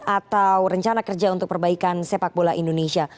atau rencana kerja untuk perbaikan sepak bola indonesia